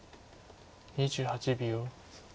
２８秒。